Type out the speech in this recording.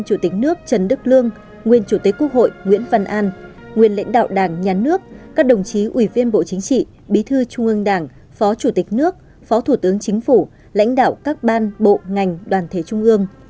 chủ tịch nước phó thủ tướng chính phủ lãnh đạo các ban bộ ngành đoàn thế trung ương